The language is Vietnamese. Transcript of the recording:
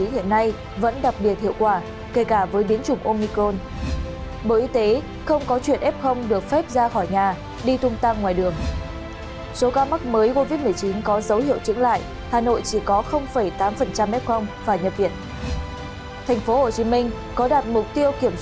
hãy đăng ký kênh để ủng hộ kênh của chúng mình nhé